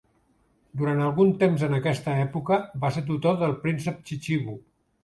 Durant algun temps en aquesta època, va ser tutor del príncep Chichibu.